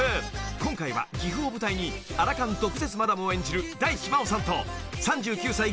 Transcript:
［今回は岐阜を舞台にアラ還毒舌マダムを演じる大地真央さんと３９歳